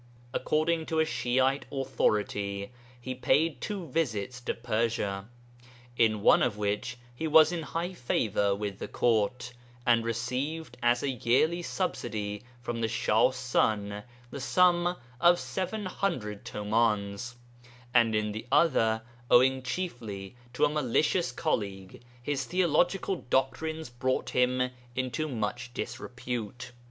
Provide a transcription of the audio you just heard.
According to a Shi'ite authority he paid two visits to Persia, in one of which he was in high favour with the Court, and received as a yearly subsidy from the Shah's son the sum of 700 tumans, and in the other, owing chiefly to a malicious colleague, his theological doctrines brought him into much disrepute.